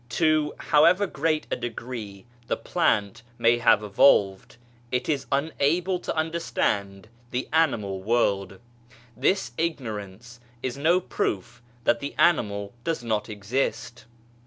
To however great a degree the plant may have evolved, it is unable to understand the animal world ; this ignorance is no proof that the animal does not exist